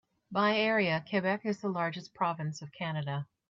By area, Quebec is the largest province of Canada.